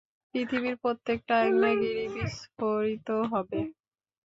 পৃথিবীর প্রত্যেকটা আগ্নেয়গিরী বিস্ফোরিত হবে!